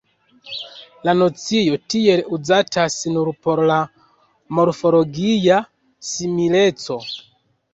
La nocio tiel uzatas nur por la morfologia simileco.